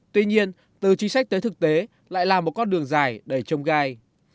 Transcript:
tuy nhiên từ chính sách tới thực tế lại là một con đường dài đầy trông gai